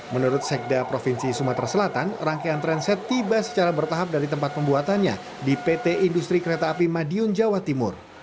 menurut sekda provinsi sumatera selatan rangkaian transit tiba secara bertahap dari tempat pembuatannya di pt industri kereta api madiun jawa timur